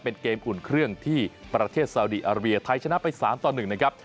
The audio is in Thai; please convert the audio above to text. เป็นเกมอุ่นเครื่องที่ประเทศซาวดีอาราเวียไทยชนะไป๓ต่อ๑นะครับ